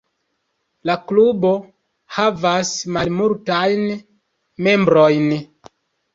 La klubo havas malmultajn membrojn.